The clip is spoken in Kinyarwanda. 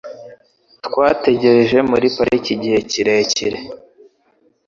Twategereje muri parike igihe kirekire.